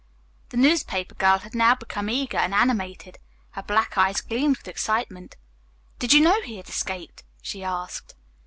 The newspaper girl had now become eager and animated. Her black eyes gleamed with excitement. "Did you know he had escaped?" she asked.